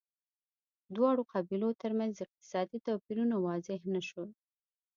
دواړو قبیلو ترمنځ اقتصادي توپیرونه واضح نه شول